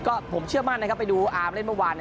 ก็ผมเชื่อมั่นนะครับไปดูอาร์มเล่นเมื่อวาน